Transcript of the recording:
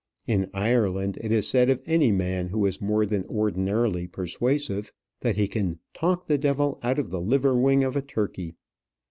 In Ireland it is said of any man who is more than ordinarily persuasive, that he can "talk the devil out of the liver wing of a turkey!"